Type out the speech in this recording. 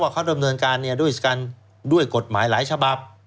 ว่าเขาดำเนินการเนี่ยด้วยกฎหมายหลายฉบับ